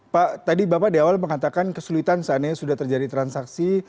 pak tadi bapak di awal mengatakan kesulitan saatnya sudah terjadi transaksi